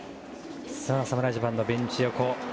侍ジャパンのベンチ横